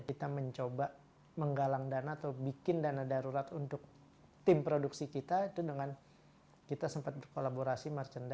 kita mencoba menggalang dana atau bikin dana darurat untuk tim produksi kita itu dengan kita sempat berkolaborasi merchandise